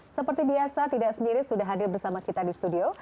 seperti biasa tidak sendiri sudah hadir bersama kita di studio